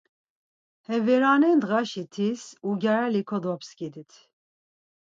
Ha verane ndağişi tis ugyareli kodopskidit.